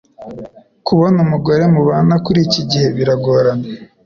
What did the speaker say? Kubona umugore mubana kuri ikigihe biragorana